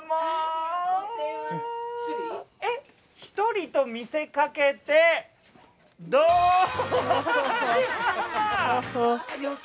一人と見せかけてどん！